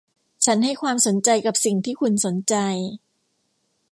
ฉันให้ความสนใจกับสิ่งที่คุณสนใจ